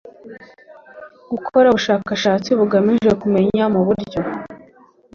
gukora ubushakashatsi bugamije kumenya mu buryo